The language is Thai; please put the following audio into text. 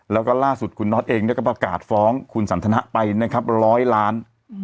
แล้วก็ล่าสุดคุณน็อตเองก็ประกาศฟ้องคุณสันทนะไปนะครับร้อยล้าน